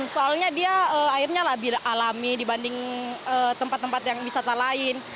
soalnya dia airnya lebih alami dibanding tempat tempat yang wisata lain